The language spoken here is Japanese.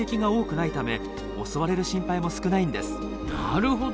なるほど。